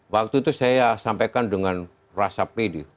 waktu itu saya sampaikan dengan rasa pede